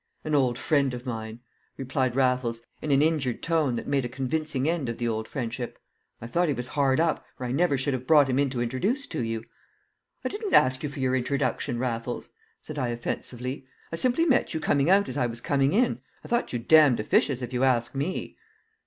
"An old friend of mine," replied Raffles, in an injured tone that made a convincing end of the old friendship. "I thought he was hard up, or I never should have brought him in to introduce to you." "I didn't ask you for your introduction, Raffles," said I offensively. "I simply met you coming out as I was coming in. I thought you damned officious, if you ask me!"